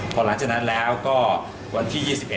พอหลังจากนั้นแล้วก็วันที่๒๑